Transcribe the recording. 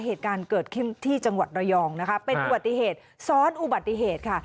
เหตุการณ์เกิดขึ้นที่จังหวัดระยองนะคะเป็นอุบัติเหตุซ้อนอุบัติเหตุค่ะ